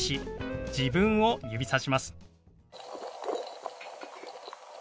自分を指さします。